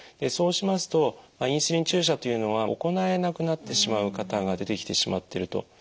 そうしますとインスリン注射というのは行えなくなってしまう方が出てきてしまってると。